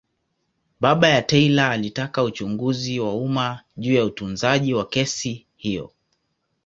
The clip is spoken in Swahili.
Baba ya Taylor alitaka uchunguzi wa umma juu ya utunzaji wa kesi hiyo.